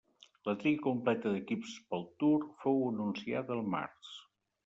La tria completa d'equips pel Tour fou anunciada el març.